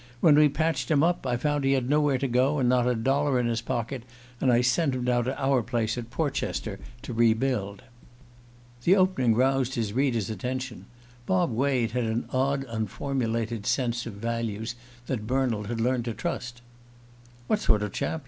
When we'd patched him up I found he had nowhere to go, and not a dollar in his pocket, and I sent him down to our place at Portchester to re build." The opening roused his hearer's attention. Bob Wade had an odd unformulated sense of values that Bernald had learned to trust. "What sort of chap?